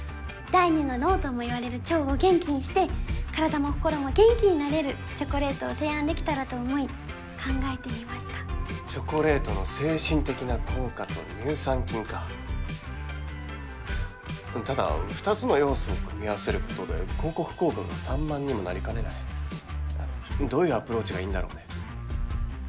第二の脳ともいわれる腸を元気にして体も心も元気になれるチョコレートを提案できたらと思い考えてみましたチョコレートの精神的な効果と乳酸菌かただ２つの要素を組み合わせることで広告効果が散漫にもなりかねないどういうアプローチがいいんだろうね？